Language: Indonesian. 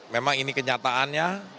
memang ini kenyataannya